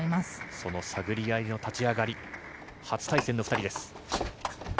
その探り合いの立ち上がり初対戦の２人です。